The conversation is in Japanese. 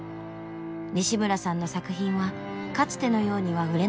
西村さんの作品はかつてのようには売れなくなっていました。